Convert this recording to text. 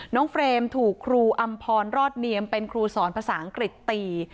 เฟรมถูกครูอำพรรอดเนียมเป็นครูสอนภาษาอังกฤษตี